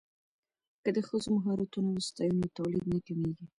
که د ښځو مهارتونه وستایو نو تولید نه کمیږي.